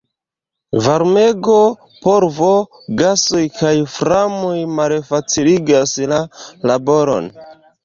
Varmego, polvo, gasoj kaj flamoj malfaciligas la laboron.